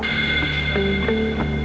gila bener bener parah